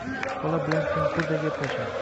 Bola bilan tengqurday gaplashing.